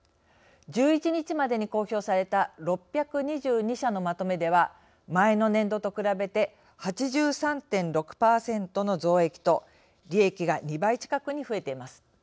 １１日までに公表された６２２社のまとめでは前の年度と比べて８３．６％の増益と利益が２倍近くに増えています。